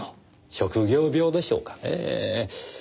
職業病でしょうかねえ。